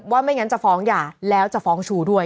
ไม่งั้นจะฟ้องหย่าแล้วจะฟ้องชูด้วย